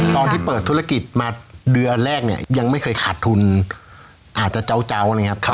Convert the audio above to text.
ตอนที่เปิดธุรกิจมาเดือนแรกเนี่ยยังไม่เคยขาดทุนอาจจะเจ้านะครับ